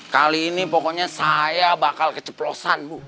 kali ini pokoknya saya bakal keceplosan bu